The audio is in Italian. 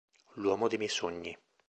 L'uomo dei miei sogni